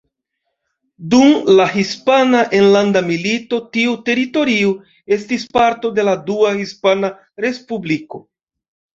Dum la Hispana Enlanda Milito tiu teritorio estis parto de la Dua Hispana Respubliko.